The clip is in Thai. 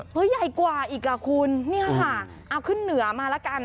เฮ้ยใหญ่กว่าอีกคุณนี่ค่ะเอาขึ้นเหนือมาแล้วกัน